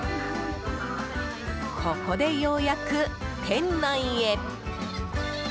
ここでようやく店内へ。